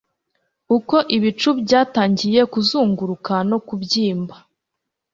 uko ibicu byatangiye kuzunguruka no kubyimba